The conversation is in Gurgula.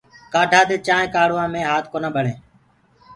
ڪآڍآ دي چآنٚينٚ ڪآڙهوآ مي هآت ڪونآ ٻݪینٚ۔